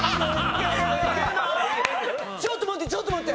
ちょっと待ってちょっと待って！